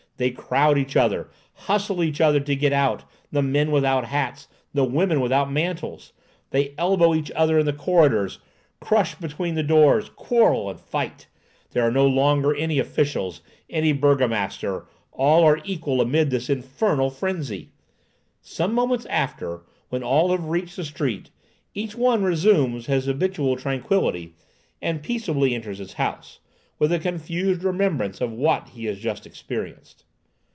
They crowd each other, hustle each other to get out—the men without hats, the women without mantles! They elbow each other in the corridors, crush between the doors, quarrel, fight! There are no longer any officials, any burgomaster. All are equal amid this infernal frenzy! They hustle each other to get out Some moments after, when all have reached the street, each one resumes his habitual tranquillity, and peaceably enters his house, with a confused remembrance of what he has just experienced.